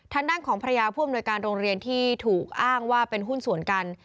ทางด้านของภรรยาผู้อำนวยการโรงเรียนที่ถูกอ้างว่าเป็นหุ้นส่วนกัน